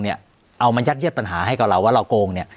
เอามายัดเยียดปัญหาให้กับเราว่าเราโกงเนี่ย